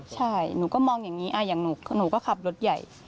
ใช่หนูก็มองอย่างนี้อย่างหนูก็ขับรถใหญ่